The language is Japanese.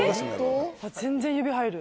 全然指入る。